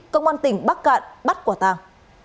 công an tỉnh bắc cạn bắt quả tàng